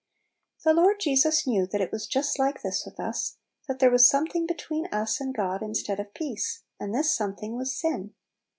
. The Lord Jesus knew that it was just like this with us, that there was something between us and God instead of peace, and this something was sin.